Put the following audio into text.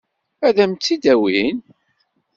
Ad m-tt-id-awin?